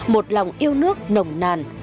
một lòng yêu nước nồng nàn